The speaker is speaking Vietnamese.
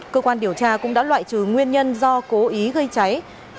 cơ quan điều tra cũng đã loại trừ nguyên nhân do cố ý gây cháy